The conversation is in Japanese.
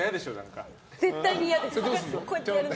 絶対に嫌です。